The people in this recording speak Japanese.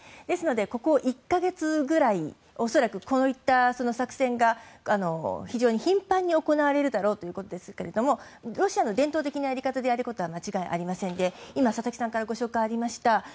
ですので、ここ１か月ぐらい恐らく、こういった作戦が非常に頻繁に行われるだろうということですがロシアの伝統的なやり方であることは間違いありませんで今、佐々木さんからご紹介がありました